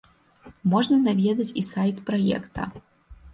Можна наведаць і сайт праекта.